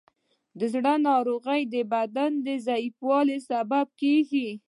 د زړه ناروغۍ د بدن ضعیفوالی سبب کېږي.